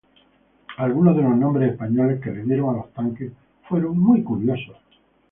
Algunos de los nombres españoles que les dieron a los tanques fueron muy curiosos.